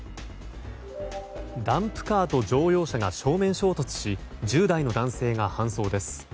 ダンプカーと乗用車が正面衝突し１０代の男性が搬送です。